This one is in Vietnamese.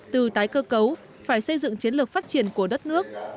từ tái cơ cấu phải xây dựng chiến lược phát triển của đất nước